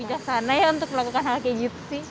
biasanya untuk melakukan hal kayak gitu sih